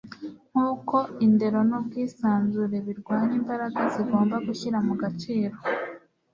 nkuko indero n'ubwisanzure birwanya imbaraga zigomba gushyira mu gaciro